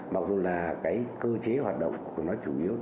mặc dù là cái cơ chế hoạt động của nó chủ yếu